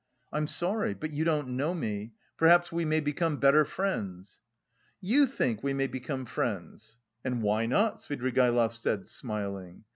"I'm sorry. But you don't know me. Perhaps we may become better friends." "You think we may become friends?" "And why not?" Svidrigaïlov said, smiling.